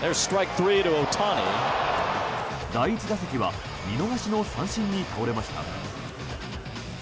第１打席は見逃しの三振に倒れました。